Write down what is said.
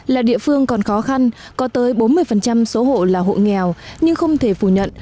là địa phương còn khó khăn có tới bốn mươi số hộ là hộ nghèo nhưng không thể phủ nhận